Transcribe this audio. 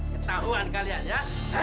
ketahuan kalian ya